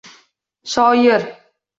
Shoir!